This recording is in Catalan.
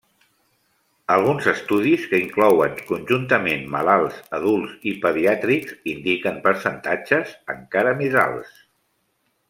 Alguns estudis que inclouen conjuntament malalts adults i pediàtrics indiquen percentatges encara més alts.